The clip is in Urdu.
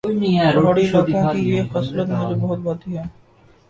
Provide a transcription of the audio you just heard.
پہاڑی علاقوں کی یہ خصلت مجھے بہت بھاتی ہے